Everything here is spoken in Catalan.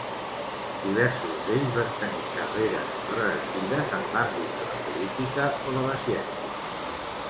Diversos d'ells van tenir carreres reeixides en l'àmbit de la política o de la ciència.